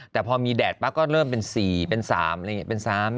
แต่พอมีแดดป่ะก็เริ่มเป็น๔๓ละเอ็งเง้ยเป็น๓๔